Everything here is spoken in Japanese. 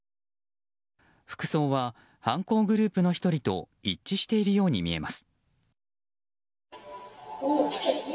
服装は犯行グループの１人と一致しているように見えます。